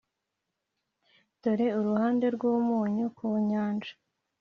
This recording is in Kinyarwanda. dore uruhande rwumunyu ku nyanja,